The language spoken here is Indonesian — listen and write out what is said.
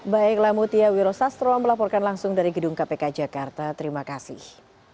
baiklah mutia wiro sastro melaporkan langsung dari gedung kpk jakarta terima kasih